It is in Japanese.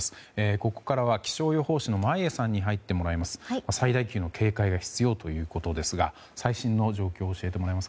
ここからは気象予報士の眞家さんに入ってもらいます。